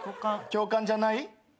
教官じゃない。